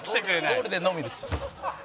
ゴールデンのみです。